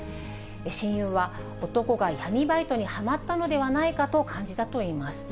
親友は、男が闇バイトにはまったのではないかと感じたといいます。